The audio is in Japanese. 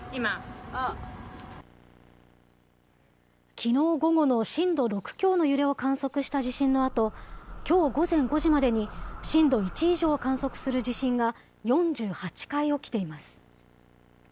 きのう午後の震度６強の揺れを観測した地震のあと、きょう午前５時までに、震度１以上を観測する地震が４８回起きています。